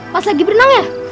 pas lagi berenang ya